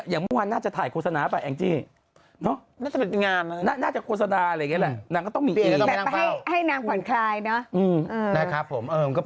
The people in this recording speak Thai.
สุดยอดเอามาข่าว